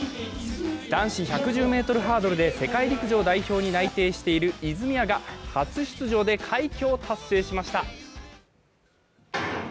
男子１１０ｍハードルで世界陸上に内定している泉谷が初出場で快挙を達成しました。